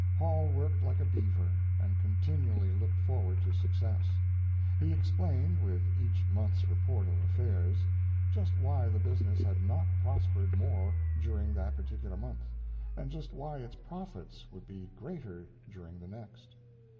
Hall worked like a beaver, and continually looked forward to success. He explained, with each month's report of affairs, just why the business had not prospered more during that particular month, and just why its profits would be greater during the next.